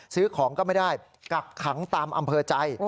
ซื้อของก็ไม่ได้กักขังตามอำเภอใจ